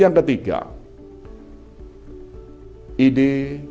yang ketiga ide gagasan keuangan yang kita lakukan di dalam g dua puluh ini